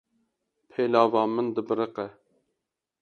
Pêlava min dibiriqe.